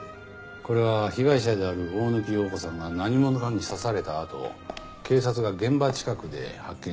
これは被害者である大貫陽子さんが何者かに刺されたあと警察が現場近くで発見したものですね。